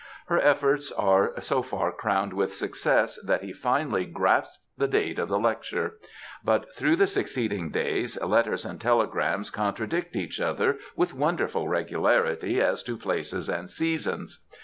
Her efforts are so far crowned with success that he finally grasps the date of the lecture; but through the succeeding days letters and telegrams contradict each other with wonderful regularity as to places and seasons.